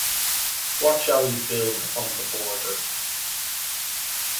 What shall we build on the border?